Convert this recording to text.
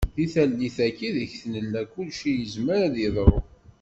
Di tallit-agi ideg nella kullci yezmer a d-yeḍru.